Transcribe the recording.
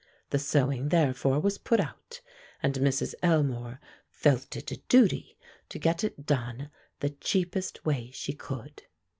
The sewing, therefore, was put out; and Mrs. Elmore felt it a duty to get it done the cheapest way she could.